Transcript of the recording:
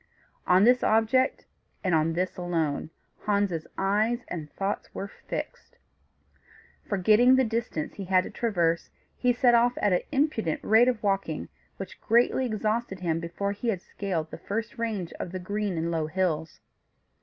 On this object, and on this alone, Hans's eyes and thoughts were fixed; forgetting the distance he had to traverse, he set off at an imprudent rate of walking, which greatly exhausted him before he had scaled the first range of the green and low hills.